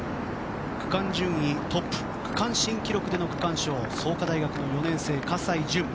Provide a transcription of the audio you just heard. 区間順位トップ区間新記録での区間賞創価大学、４年生、葛西潤。